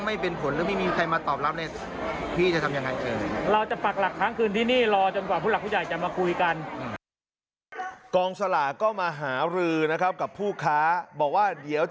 ไม่เป็นผลและไม่มีใครมาตอบรับในที่จะทำอย่างงานเกิน